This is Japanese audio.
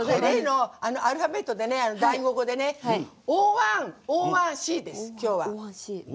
アルファベットでＤＡＩＧＯ語で「Ｏ１Ｏ１Ｃ」です。